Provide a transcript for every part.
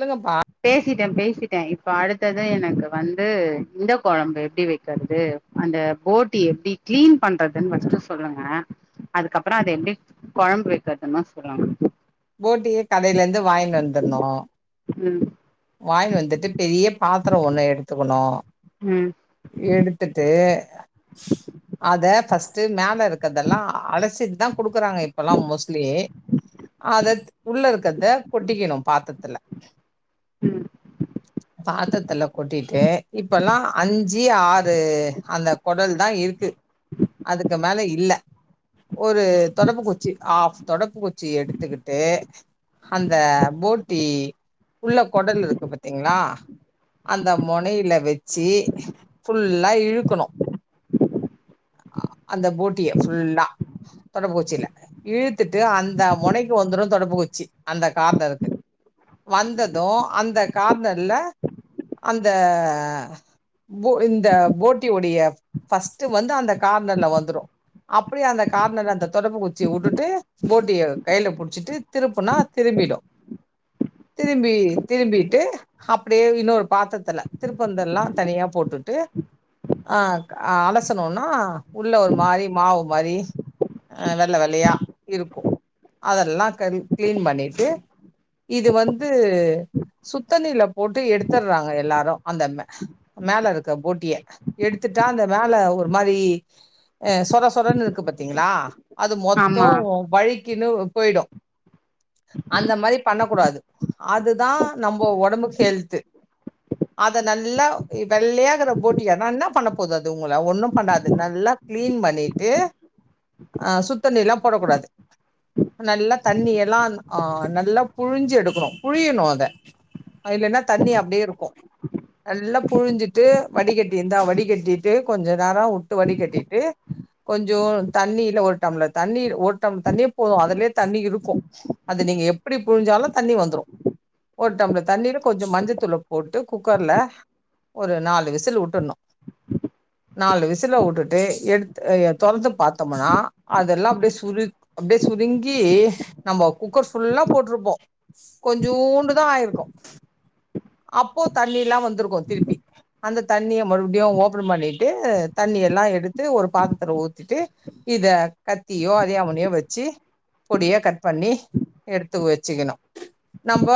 லுங்கப்பா பேசிட்டே பேசிட்டே இப்ப அடுத்தது எனக்கு வந்து இந்த கொழம்பு எப்டி வெக்கற்து அந்த போட்டி எப்டி கிளீன் பண்றதுன் ஃபஸ்ட்டு சொல்லுங்க அதுக்கப்பறோ அத எப்டி குழம்பு வக்கிறதுன்னு தா சொல்லணு போட்டிய கடேல இருந்து வாங்கி வந்தருனு ம் வாங்கி வந்துட்டு பெரிய பாத்திரோ ஒன்னு எடுத்துக்கணு ம் எடுத்துட்டு அத ஃபஸ்ட்டு மேலே இருக்கிறதெல்லா அலசிட்டு தா குடுக்குறாங்க இப்பலா மோஸ்லி அதத் உள்ள இருக்கறத கொட்டிக்கிணு பாத்தரத்துல ம் பாத்தரத்துல கொட்டிட்டு இப்பல்லா அஞ்சி ஆறு அந்த கொடல் தா இருக்கு அதுக்கு மேல இல்ல ஒரு தொடப்ப குச்சி ஆஃப் தொடப்ப குச்சிய எடுத்துக்கிட்டு அந்த போட்டி உள்ள கொடல் இருக்கு பாத்தீங்களா அந்த மொனைல வச்சி ஃபுல்லா இழுக்கணு அ அந்த போட்டிய ஃபுல்லா தொடப்ப குச்சில இழுத்துட்டு அந்த மொனைக்கு வந்துரு தொடப்ப குச்சி அந்த கார்னருக்கு வந்தது அந்த கார்னர்ல அந்த போ இந்த போட்டியுடைய ஃபஸ்ட்டு வந்து அந்த கார்னர்ல வந்துரு அப்டியே அந்த கார்னர்ல அந்த தொடுப்ப குச்சிய வுட்டுட்டு போட்டிய கைல புடிச்சிட்டு திருப்புனா திரும்பிடு திரும்பி திரும்பிட்டு அப்டியே இன்னொரு பாத்திரத்துல திருப்பந்தெல்லா தனியா போட்டுட்டு ஆ அலசனுனா உள்ள ஒரு மாரி மாவு மாரி அ வெள்ள வெள்ளயா இருக்கு அதெல்லா கரி க்ளீன் பண்ணிட்டு இது வந்து சுத்தண்ணீல போட்டு எடுத்துறாங்க எல்லாரு அந்த ம்ம மேல இருக்கு போட்டிய எடுத்துட்டா அந்த மேல ஒரு மாரி அ சொர சொரன்னு இருக்கு பாத்தீங்களா அது மொத்தோ ஆமா வழிக்குன்னு போயிடு அந்த மாரி பண்ணக்க கூடாது அது தா நம்ம ஒடம்புக்கு ஹெல்து அத நல்லா இ வெள்ளையாகிற போட்டிய நா என்ன பண்ண போது அது உங்கள ஒண்ணு பண்ணாது நல்லா கிளீன் பண்ணிட்டு அ சுத்தண்ணீர்லா போடக்கூடாது நல்லா தண்ணிய எல்லா ஆ நல்லா புழிஞ்சு எடுக்கணு புழியணு இல்ல அது இல்லனா தண்ணி அப்டியே இருக்கு நல்லா புழிஞ்சிட்டு வடிகட்டி இருந்தா வடிகட்டிட்டு கொஞ்ச நேரோ வுட்டு வடிகட்டிட்டு கொஞ்சோ தண்ணில ஒரு டம்ள தண்ணீர் ஒரு டம்ள தண்ணியே போது அதுலயே தண்ணி இருக்கு அது நீங்க எப்டி புழிஞ்சாலு தண்ணி வந்துரு ஒரு டம்ள தண்ணீல கொஞ்ச மஞ்ச தூள போட்டு குக்கர்ல ஒரு நாலு விசில் விட்டணு நாலு விசில வுட்டுட்டு எடுத் அய தொறந்து பாத்தோம்னா அதெல்லா அப்டியே சுரு அப்டியே சுருங்கி நம்போ குக்கர் ஃபுல்லா போட்ருப்போ கொஞ்சூண் இப்டிதா ஆயிருக்கு அப்போ தண்ணில்லா வந்திருக்கு திருப்பி அந்த தண்ணிய மறுபடியு ஓபன் பண்ணிட்டு தண்ணி எல்லா எடுத்து ஒரு பாத்ரத்துல ஊத்திட்டு இத கத்தியோ அரியாமனையோ வச்சு பொடியா கட் பண்ணி எடுத்து வச்சுக்கணு ப்ப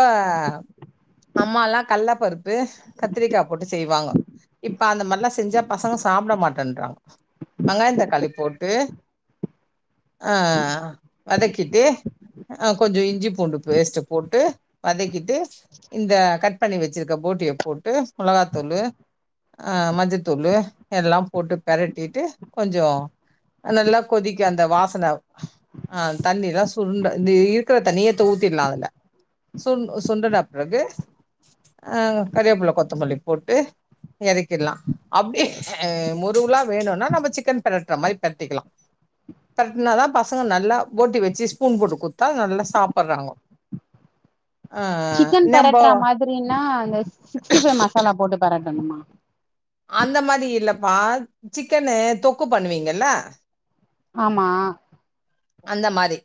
அம்மாலா கல்லப்பருப்பு கத்திரிக்கா போட்டு செய்வாங்க இப்ப அந்த மாரிலா செஞ்சா பசங்க சாப்ட மாட்டேன்றாங்க வெங்காய தக்காளி போட்டு ஆ வதக்கிட்டு அ கொஞ்ச இஞ்சி பூண்டு பேஸ்ட்ட போட்டு வதக்கிட்டு இந்த கட் பண்ணி வெச்சிருக்க போட்டிய போட்டு மொளகாத்தூளு ஆ மஞ்சத்தூளு எல்லா போட்டு பெரட் ட்டிட்டு கொஞ் நல்லா கொதிக்கு அந்த வாசன ஆ தண்ணிலா சுருண்ட இந்த இருக்குற தண்ணிய எட்த்து ஊத்திட்லா அதுல சுண் சுண்டுன பெறகு அ கறிவேப்பில கொத்தமல்லி போட்டு வதக்கிட்லா அப்டி அ முறுகலா வேணுனா நம்ம சிக்கன் பெரட்ற மாரி பெரட்டிக்கலா பெரட்னா தா பசங்க நல்லா போட்டி வெச்சு ஸ்பூன் போட்டு குடுத்தா நல்லா சாப்பிட்றாங்கோ சிக்கன் நம்போ பெரட்ற மாதிரினா இந்த சிக்ஸ்டி ஃபைவ் மசாலா போட்டு பெரட்டணுமா அந்த மாரி இல்லப்பா சிக்கன்னு தொக்கு பண்ணுவீங்கல்ல ஆமா அந்த மாரி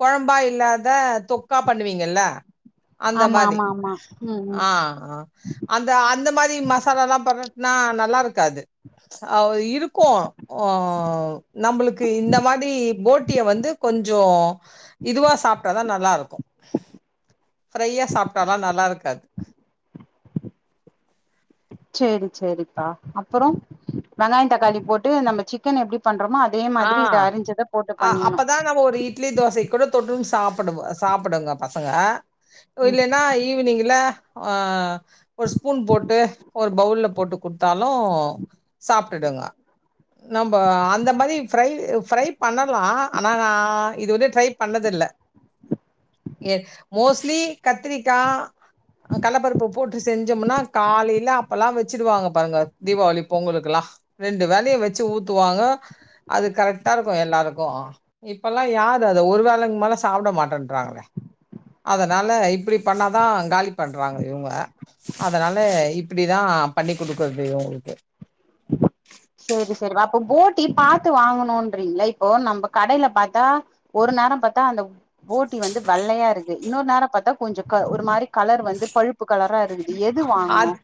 கொழம்பா இல்லாத தொக்கா பண்ணுவீங்கல்ல அந்த ஆமா மாரி ஆமா ஆமா ம் ம் ஆ ஆ அந்த அந்த மாதிரி மசாலாலா பெரட்னா நல்லா இருக்காது ஆ இருக்கு ஓ நம்பளுக்கு இந்த மாதிரி போட் வந்து கொஞ்சோ இதுவா சாப்ட்டாதா நல்லா இருக்கு ஃப்ரையா சாப்ட்டாலா நல்லா இருக்காது சேரி சேரிப்பா அப்பறோ வெங்காய தக்காளி போட்டு நம்ம சிக்கன எப்டி பண்றோமோ அத் தே ஆ. மாதிரி இத அரிஞ்சத போட்டு அ பண்ணிட்ணு அப்பதா நம்ம ஒரு இட்லி தோசைக் கூட தொட்டுன் சாப்புடுவோ சாப்புடுங்க பசங்க ம் இல்லேனா ஈவினிங்கில் இல்ல ஆ ஒரு ஸ்பூன் போட்டு ஒரு பவுல்ல போட்டு குடுத்தாலு சாப்ட்டுடுங்க நம்ப அந்த மாதிரி ஃப்ரை ஃப்ரை பண்ணலா ஆனா நா இது வந்து ட்ரை பண்ணதில்ல எக் மோஸ்ட்லி கத்திரிக்கா அ கல்லப்பருப்ப போட்டு செஞ்சமுனா காலைல அப் பலா வெச்சிடுவாங்க பாருங்க தீபாவளி பொங்கலுக்குலா ரெண்டு வேலையு வெச்சு ஊத்துவாங்க அது கரெக்டா இருக்கு எல்லாருக்கு இப்பலா யாரு அத ஒரு வேலைக்கு மேல சாப்ட மாட்டேன்ட்றாங்களே அதனால இப்டி பண்ணாதா காலி பண்றாங்க இவ்ங்க அதனால இப்டிதா பண்ணி குடுக்குறது இவ்ங்களுக்கு சேரி சேரிப்பா அப்ப போட்டி பாத்து வாங்கணுன்றீங்ளா இப்போ நம்ப கடைல பாத்தா ஒரு நேர பாத்தா அந்த பட்டி வந்து வெள்ளையா இருக்கு இன்னொரு நேர பாத்தா கொஞ்ச க ஒரு மாரி கலர் வந்து பழுப்பு கலரா இருக் அத்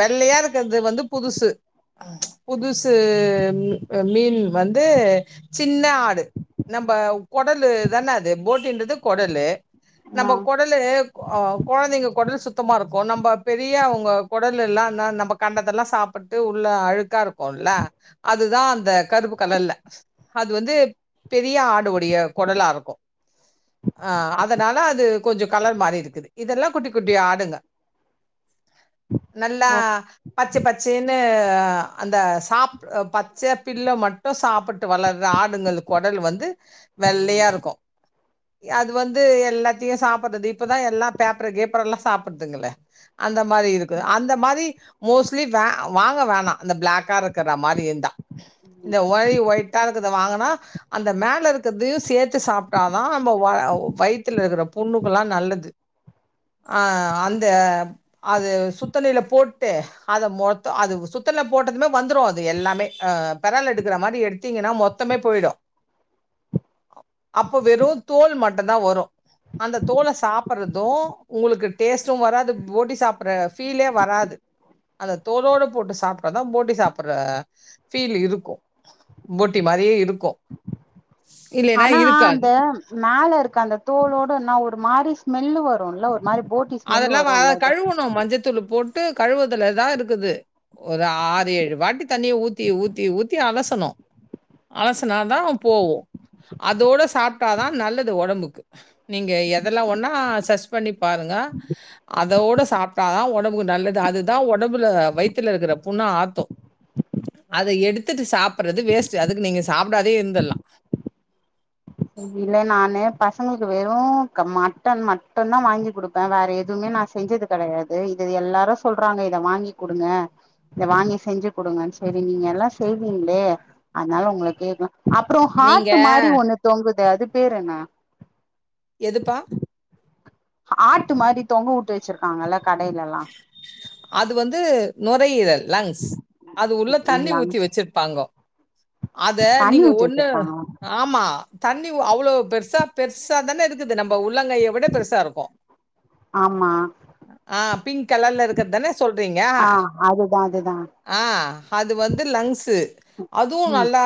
வெள்ளையா இருக்கிறது வந்து புதுசு புதுசு அ மீன் வந்து சின்ன ஆடு நம்ப கொடலு தான அது போட்டின்றது கொடலு ஆ நம்ப கொடலு ஆ கொழந்தைங்க கொடல் சுத் சுத்தமா இருக்கு நம்ப பெரியவ்ங்க கொடலெல்லா ந நம்ப கண்டதெல்லா சாப்பிட்டு உள்ள அழுக்கா இருக்குல்ல அதுதா அந்த கருப்பு கலர்ல அது வந்து பெரிய ஆடுவொடைய குடலா இருக்கு ஆ அத்னால அது கொஞ்சோ கலர் மாறி இருக்கு இதெல்லாம் குட்டி குட்டி ஆ டுங்க நல்லா ஓ பச்ச பச்சேன்னு அந்த சாப் பச்சையா ஃபில்ல மட்டும் சாப்ட் ட்டு வளர்தா ஆடுங்கள்லு கொடலு வந்து வெள்ளையா இருக்கு அது வந்து எல்லாத்தையு சாப்படுறது இப்பதா எல்லா பேப்பரு கீப்பர்ரு எல்லா சாப்படுறதுங்களே அந்த மாரி இருக்குது அந்த மாரி மோஸ்லி வே வாங்க வேணா இந்த பிளாக்கா இருக்குற மாரியுந்தா இந்த ஒய் ஒயிட்டா இருக்குறத வாங்குனா அந்த மேல இருக்குறதையு சேத்து சாப்ட்டாதா நம்ம வா வயித்துல இருக்குற புண்ணுக்கெல்லா நல்லது ஆ அந்த அது சுத்தணில போட்டு அத மொத்தோ அது சுத்தணில போட்டதுமே வந்துரு அது எல்லாமே பெரால் எடுக்குற மாரி எடுத்தீங்கன்னா மொத் தமே போயிடு அப்போ வெறு தோல் மட்டுந்தா வரு அந்த தோல சாப்டறதும் உங்களுக்கு டேஸ்ட்டும் வராது போட்டி சாப்ட்ற ஃபீலே வராது அந்த தோலோடு போட்டு சாப் அப்ப தா போட்டி சாப்ட்ற ஃபீல் இருக்கும் போட்டி மாரியே இருக்கு இல்லைன்னா ஆனா இருக்காது அந்த மேல இருக்க அந்த தோலோட என்னா ஒரு மாரி ஸ்மெல்லு வரும்ல ஒரு மாரி போட் அதெல்லா வா கழுவணு மஞ்சத்தூள் போட்டு கழுவுதுலதா இருக்குது ஒரு ஆறு ஏழு வாட்டி தண்ணியே ஊத்தி ஊத்தி ஊத்தி அலசணு அலசுனா தா போவு அதோடு சாப்ட்டா தா நல்லது ஒடம்புக்கு நீங்க எதெல்லா ஒன்னா சஸ் பண்ணி பாருங்க அதோட சாப்ட்டா தா ஒடம்புக்கு நல்லது அதுதான் உடம்பல வயித்துல இருக்குற புண்ண ஆத்து அத எடுத்துட்டு சாப்பர்றது வேஸ்ட்டு அதுக்கு நீங்க சாப்பிடாதே இருந்திர்லா இல்ல நானு பசங்களுக்கு வெறும் க மட்டன் மட்டும் தா வாங்கி குடுப் பே வேற எதுவுமே நா செஞ்சது கெடையாது இத எல்லாரு சொல்றாங்க இத வாங்கி் குடுங்க இத வாங்கி செஞ்சு குடுங்க சேரி நீங்க எல்லா செய்வீங்களே அத்னால உங்க கேக்லா அப்பறோ நீங்க ஹாட்டு மாறி ஒண்ணு தொங்குதே அது பேரு என்ன எதுப்பா ஆட்டு மாரி தொங்க விட்டு வச்சிருக்காங்கல்ல கடைல எல்லா அது வந்து நுரையீரல் லங்ஸ் அது உள்ள தண்ணி இல்லாங் ஊத்தி வச்சிர் ப்பாங்கோ அத தண்ணி நீங்க ஊத்தி ஒண்ணு வச்சிருப்பாங்களா ஆமா தண்ணி அவ்வளோ பெருசா பெருசா தானே இருக்குது நம்ம உள்ளங்கைய விட பெருசா இருக்கு ஆமா ஆ பிங்க் கலர்ல இருக்குறது தான சொல்றீங்க ஆ அதுதா அதுதா ஆ அது வந்து லங்ஸு அதுவு ம் நல்லா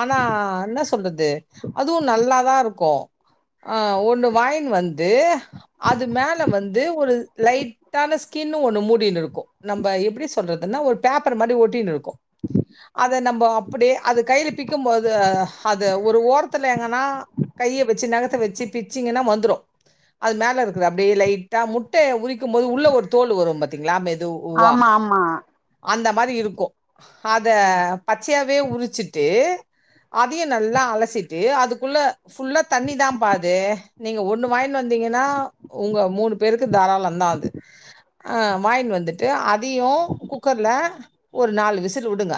ஆனா என்னா சொல்றது அதுவும் நல்லாதா இருக்கு ஆ ஒண்ணு வாய்ன்னு வந்து அது மேல வந்து ஒரு லைட்டான ஸ்கின்னு ஒன்னு மூடின்னு இருக்கு நம்ம எப்டி சொல்றதுன்னா ஒரு பேப்பர் மாதி ஒட்டின்னு இருக்கு [inaudible] அத நம்போ அப்படியே அது கைய்ல பிக்கும்போது அது ஒரு ஓரத்துல எங்கன்னா கைய வச்சு நெகத்த வச்சு பிச்சிங்கன்னா வந்துரு அது மேல இருக்குற அப்படியே லைட்டா முட்டைய உரிக்கும் போது உள்ள ஒரு தோல் வரும் பாத் ங்களா மெது உவா ஆமா ஆமா அந்த மாரி இருக்கு அத ம் பச்சயாவே உரிச்சிட்டு அதையு நல்லா அலசிட்டு அதுக்குள்ள ஃபுல்லா தண்ணி தா பா அது நீங்க ஒன்னு வாய்னு வந்தீங்கன்னா உங்க மூணு பேருக்கு கு தாராளந்தா அது அ வாயிங்டு வந்துட்டு அதயு குக்கர்ல ஒரு நாலு விசிலு வுடுங்க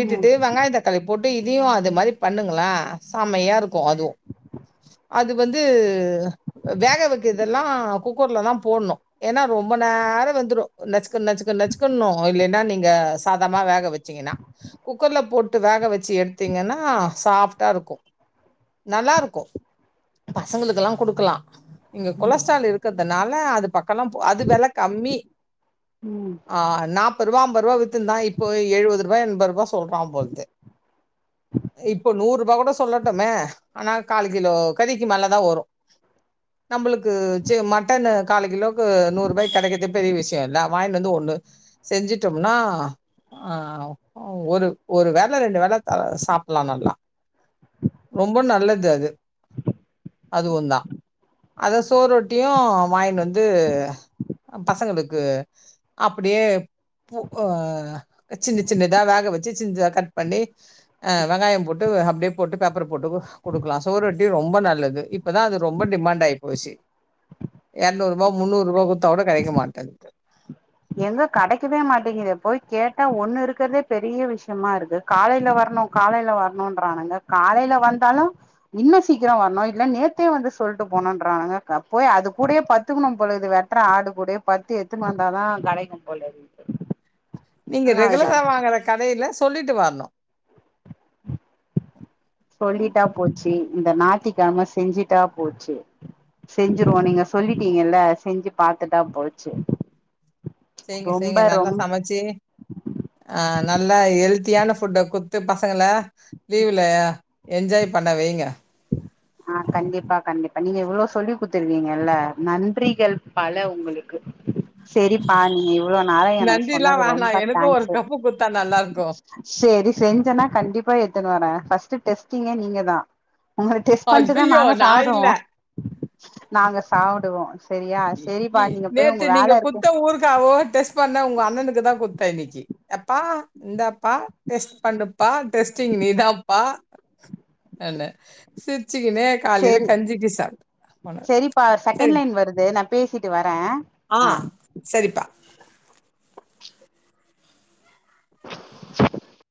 ம் வெங்காயோ தக்காளி போட்டு இதயு அது மாரி பண்ணுங்களே செமையா இருக்கு அதுவு அது வந்து வேக வைக்குறதெல்லா குக் குக்கர்ல தா போட்ணு ஏனா ரொம்ப நேரோ வெந்துரு நச்சுக்க நச்சுக்க நச்சுக்குணு இல்லைன்னா நீங்க சாதாமா வேக வச்சீங்கன்னா குக்கர்ல போட் டு வேக வச்சு எடுத்தீங்கன்னா சாஃப்ட்டா இருக்கு நல்லா இருக்கு பசங்களுக்கெல்லா குடுக்கலா இங்க ம் கொலஸ்ட்ரால் இருக்கிறதுனால அது பக்கலாம் போ அது வெல கம்மி ம் ஆ நாப்பரூவா அம்பரூவா வித்ருந்தா இப்போ எழுவது ரூவா எண்பது ரூவா சொல்றா போல்து இப்போ நூற் ரூபா கூட சொல்லட்டுமே ஆனா கால் கிலோ கதிக்கு மேல தா வரும் நம்ளுக்கு சி மட்டனு காலு கிலோக்கு நூறு ரூபாய் கெடைக்றதே பெரிய விஷ்யோ இல்ல வாயின்டு வந்து ஒன்னு செஞ்சிட்டோம்னா ஆ ஒரு ஒரு வேல ரெண்டு வேல த சாப்புட்லா நல்லா ரொம்ப நல்லது அது அதுவு தா அதா சுவரொட்டியு வாயின்டு வந்து அ பசங்களுக்கு அப்டியே பூ அ சின்ன சின்னதா வேக வச்சு சின் சின்தா கட் பண்ணி அ வெங்காயோ போட்டு அப்டியே போட்டு பெப்பர் போட்டு குடுக்லா சுவரொட்டி ரொம்ப நல்லது இப்பதா அது ரொம்ப டிமாண்ட் ஆயி போச்சு எரநூற்ரூவா முன்னுற்ரூவா குடுத்தா கூட கெடைக்க மாட்டேங்து எங்க கெடைக்கவே மாட்டேங்குதே போய் கேட்டா ஒன்னு இருக்கிறதே பெரிய விஷ்யமா இருக்கு காலைல வரணு காலைல வரணுன்றானுங்க காலைல வந்தாலு இன்னு சீக்கிரோ வரணு இல்ல நேத்தே வந்து சொல்ட்டு போணுன்றானுங்க க போய் அது கூடயே பட்த்துகுணு போலது வே வெட்ற ஆடு கூடே பட்த்து எத்துனு வந்தா தா கெடைக்கும் போலே இருக்கு நீங்க ரெகுலரா வாங்குற கடையில சொல்லிட்டு வரணு ம் சொல்லிட்டா போச்சு இந்த ஞாயித்திக்கெழம செஞ்சிட்டா போச்சு செஞ்சுருவோ நீங்க சொல்லிட்டீங்கல்ல செஞ்சு பாத்துட்டா போச்சு செய்ங்க ரொம்ப செய்ங்க நல்லா ரொம் சமச்சு அ நல்லா ஹெல்த்தியான ஃபுட்ட குட்த்து பசங்கள லீவ்ல என்ஜாய் பண்ண வைங்க ஆ கண்டிப்பா கண்டிப்பா நீங்க இவ்ளோ சொல்லி குடுத்துருகீங்கல்ல நன்றிகள் பல உங்களுக் கு செரிப்பா நீ இவ்ளோ நாளா எனக்கு நன்றில்லா சொன்னது வேணா ரொம்ப எனக்கும் ஒரு தேங்க்ஸு கப்பு குடுத்தா நல்லா இருக்கும். செரி செஞ்சேனா கண்டிப்பா எத்துன்னு வரே ஃபஸ்ட் டெஸ்டிங்கே நீங்க தா உங்கள டெஸ்ட் பண்ட்டு தா ஐயய்யோ! நாங்க நான் சாவ்டுவோ இல்ல. நாங்க சாவ்டுவோ இ இ நேத்து நீங்க இருக்கு குத்த ஊறுகாவோ டெஸ்ட் பண்ண உங்க அண்ணனுக்கு தா குத்தே இன்னைக்கி அப்பா இந்தாப்பா டெஸ்ட் பண்ணுப்பா டெஸ்ட்டிங் நீதான்ப்பா அனே சிரிச்சுக்குனே சேரி செரிப்பா செகண்ட் சரி. லைன் வருது நா பேசிட்டு வரே ஆ சரிப்பா [inaudible]